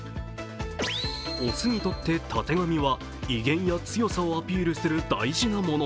雄にとってたてがみは威厳や強さをアピールする大事なもの。